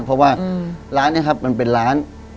เพราะว่าร้านนี้ครับมันเป็นร้าน